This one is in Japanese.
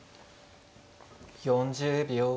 ４０秒。